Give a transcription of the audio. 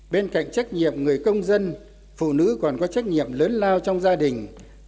bên cạnh trách nhiệm người công dân phụ nữ còn có trách nhiệm lớn lao trong gia đình